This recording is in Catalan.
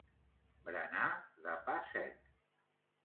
Berenar de pa sec.